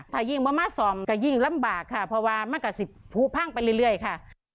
ถ้ายิ่งประมาณสองก็ยิ่งลำบากค่ะเพราะว่ามันก็สิบภูพังไปเรื่อยค่ะ